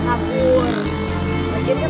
gak pernah kabur